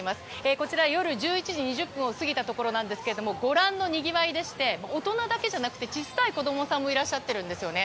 こちら、夜１１時２０分を過ぎたところなんですがご覧のにぎわいでして大人だけでなくて小さい子供さんもいらっしゃっているんですよね。